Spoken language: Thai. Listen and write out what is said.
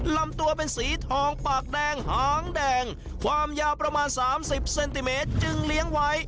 ลำตัวเป็นสีทองปากแดงหางแดงความยาวประมาณ๓๐เซนติเมตรจึงเลี้ยงไว้